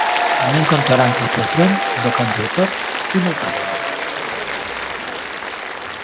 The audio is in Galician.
Tamén contarán coa actuación do cantautor Tino Baz.